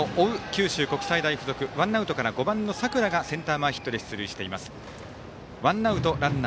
九州国際大付属ワンアウトから５番の佐倉がセンター前ヒットで出塁しています。